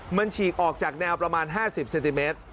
มันฉีกออกจากแนวประมาณ๕๐เซนติเมตร